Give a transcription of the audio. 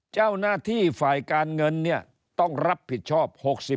เจ้าหน้าที่ฝ่ายการเงินเนี่ยต้องรับผิดชอบ๖๐